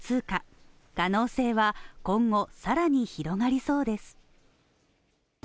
可能性は今後、更に広がりそうです。